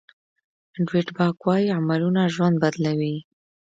ډویډ باک وایي عملونه ژوند بدلوي.